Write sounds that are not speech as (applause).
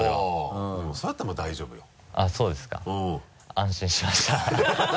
安心しました (laughs)